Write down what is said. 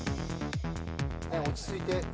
落ち着いて。